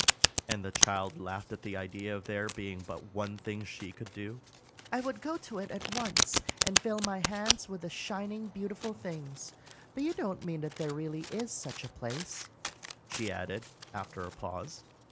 and the child laughed at the idea of there being but one thing she could do. "I would go to it at once, and fill my hands with the shining, beautiful things. But you don't mean that there really is such a place," she added, after a pause.